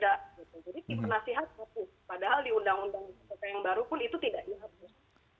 jadi tim penasihat padahal di undang undang otk yang baru pun itu tidak diharus